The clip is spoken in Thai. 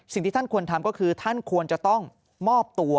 สิ่งที่ท่านควรทำก็คือท่านควรจะต้องมอบตัว